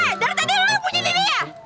eh dari tadi lo punya dirinya